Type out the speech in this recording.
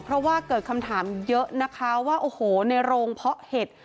เพราะว่าเกิดคำถามเยอะนะคะว่าโอ้โหในโรงเพาะเห็ด